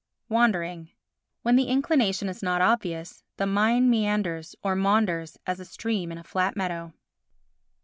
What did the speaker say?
Wandering When the inclination is not obvious, the mind meanders, or maunders, as a stream in a flat meadow.